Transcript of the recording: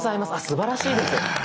すばらしいです。